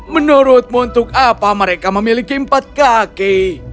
menurutmu untuk apa mereka memiliki empat kaki